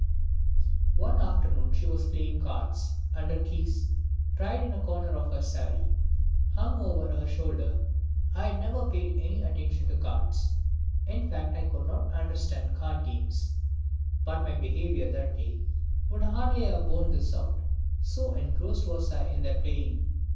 One afternoon she was playing cards, and her keys, tied to a corner of her sari, hung over her shoulder. I had never paid any attention to cards, in fact I could not stand card games. But my behaviour that day would hardly have borne this out, so engrossed was I in their playing.